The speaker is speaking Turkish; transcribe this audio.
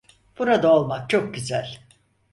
Burada olmak çok güzel.